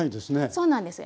そうなんですよ。